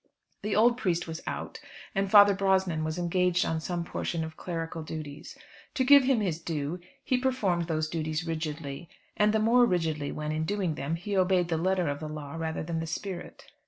The old priest was out, and Father Brosnan was engaged on some portion of clerical duties. To give him his due, he performed those duties rigidly, and the more rigidly when, in doing them, he obeyed the letter of the law rather than the spirit.